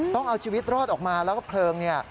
ต้องเอาชีวิตรอดออกมาแล้วก็เพลิงเนี่ย